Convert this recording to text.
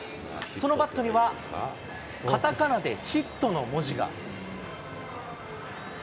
そのバットには、カタカナでヒットの文字が。